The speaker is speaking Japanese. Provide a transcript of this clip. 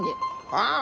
ああ。